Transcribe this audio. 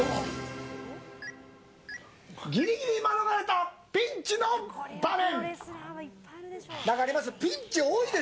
ギリギリ免れたピンチの場面。